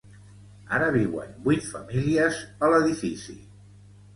Ara viuen vuit famílies a l'edifici.